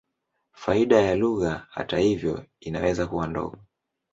Faida ya jumla, hata hivyo, inaweza kuwa ndogo.